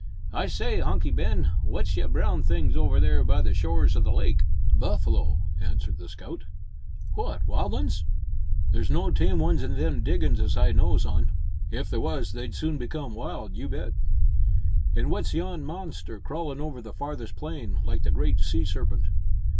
"I say, Hunky Ben, w'at's yon brown things over there by the shores o' the lake?" "Buffalo," answered the scout. "What! wild uns?" "There's no tame ones in them diggin's as I knows on. If there was, they'd soon become wild, you bet." "An' w'at's yon monster crawlin' over the farthest plain, like the great sea serpent?"